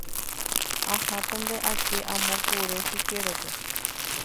Ahátante ake amo kure chikérope.